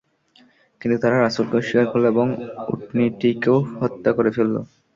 কিন্তু তারা রাসূলকে অস্বীকার করল এবং উটনীটিকেও হত্যা করে ফেললো।